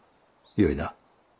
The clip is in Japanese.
よいな。